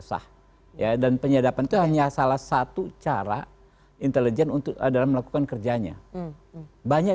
sah ya dan penyadapan itu hanya salah satu cara intelijen untuk adalah melakukan kerjanya banyak